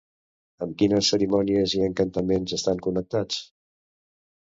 Amb quines cerimònies i encantaments estan connectats?